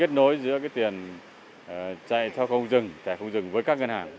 tiền nó sẽ kết nối giữa cái tiền chạy cho không dừng thẻ không dừng với các ngân hàng